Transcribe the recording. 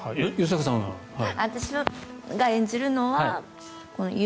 私が演じるのは雪